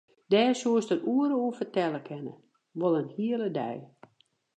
Dêr soest in oere oer fertelle kinne, wol in hele dei.